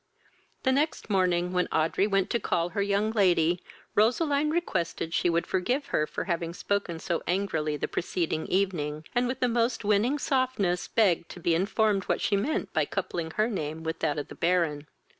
The next morning, when Audrey went to call her young lady, Roseline requested she would forgive her for having spoken so angrily the preceding evening, and with the most winning softness begged to be informed what she meant by coupling her name with that of the Baron.